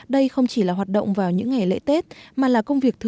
đây không chỉ là hoạt động vào những ngày lễ tết